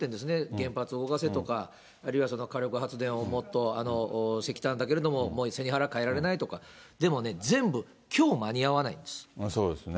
原発動かせとか、あるいは火力発電をもっと、石炭だけれども、もう背に腹かえられないとか、でもね、全部きょう間に合わないんそうですね。